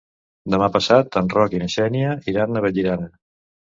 Demà passat en Roc i na Xènia iran a Vallirana.